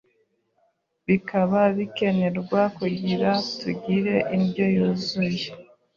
bikaba bikenerwa kugira tugire indyo yuzuye